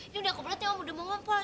ini udah kebelet ya om udah mau ngompor